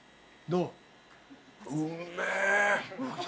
どう？